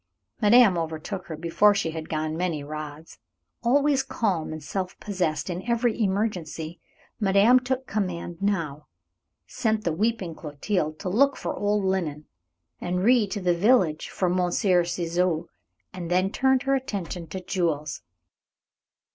Madame overtook her before she had gone many rods. Always calm and self possessed in every emergency, madame took command now; sent the weeping Clotilde to look for old linen, Henri to the village for Monsieur Ciseaux, and then turned her attention to Jules.